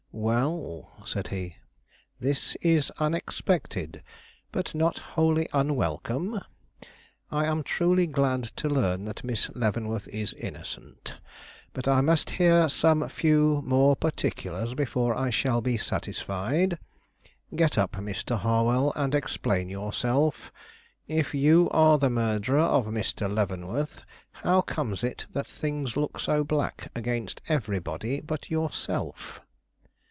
"Well," said he, "this is unexpected, but not wholly unwelcome. I am truly glad to learn that Miss Leavenworth is innocent; but I must hear some few more particulars before I shall be satisfied. Get up, Mr. Harwell, and explain yourself. If you are the murderer of Mr. Leavenworth, how comes it that things look so black against everybody but yourself?"